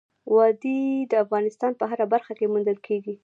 وادي د افغانستان په هره برخه کې موندل کېږي.